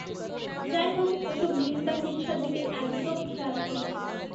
যাই হোক, ওসব নিন্দা-কুৎসার দিকে একদম খেয়াল করো না।